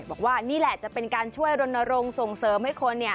บอกว่านี่แหละจะเป็นการช่วยรณรงค์ส่งเสริมให้คน